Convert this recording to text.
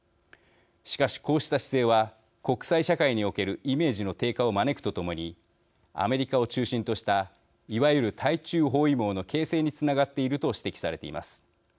しかし、こうした姿勢は国際社会におけるイメージの低下を招くとともにアメリカを中心としたいわゆる対中包囲網の形成につながっていると指摘されています。